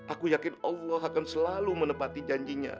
aku yakin allah akan selalu menepati janjinya